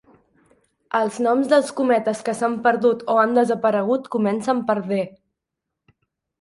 Els noms dels cometes que s'han perdut o han desaparegut comencen per "D".